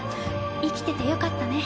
生きててよかったね